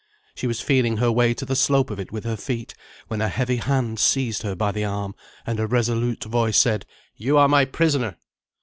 She was feeling her way to the slope of it with her feet, when a heavy hand seized her by the arm; and a resolute voice said: "You are my prisoner."